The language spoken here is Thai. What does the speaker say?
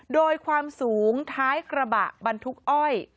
โดยความสูงท้ายกระบะบรรทุกอ้อย